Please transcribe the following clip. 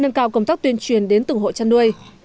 nâng cao công tác tuyên truyền đến từng hộ chăn nuôi